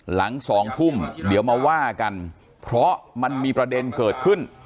หลัง๒ทุ่มเดี๋ยวมาว่ากันเพราะมันมีประเด็นเกิดขึ้น